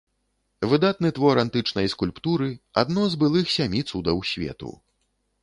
Выдатны твор антычнай скульптуры, адно з былых сямі цудаў свету.